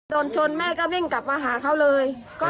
โดนชนแม่ก็วิ่งกลับมาหาเขาเลย